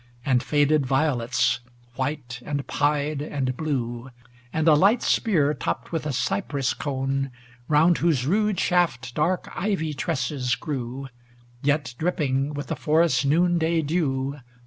And faded violets, white, and pied, and blue; And a light spear topped with a cypress cone, Round whose rude shaft dark ivy tresses grew Yet dripping with the forest's noonday dew.